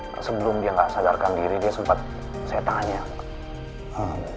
dan sebelum dia gak sadarkan diri dia sempat saya tanya